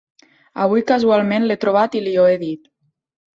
Avui casualment l'he trobat i li ho he dit.